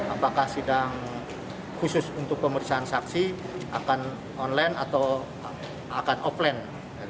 apakah sidang khusus untuk pemeriksaan saksi akan online atau akan offline